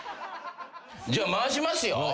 じゃあ回しますよ。